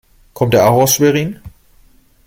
Kommt er auch aus Schwerin?